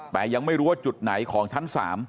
แต่ยังไม่รู้ว่าจุดไหนของชั้น๓